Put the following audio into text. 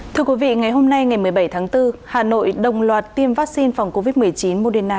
thưa quý vị ngày hôm nay ngày một mươi bảy tháng bốn hà nội đồng loạt tiêm vaccine phòng covid một mươi chín moderna